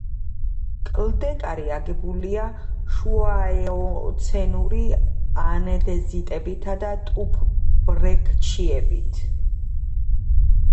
კლდეკარი აგებულია შუაეოცენური ანდეზიტებითა და ტუფბრექჩიებით.